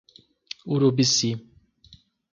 Urubici